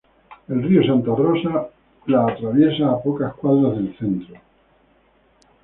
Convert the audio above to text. El río Santa Rosa la atraviesa a pocas cuadras del centro.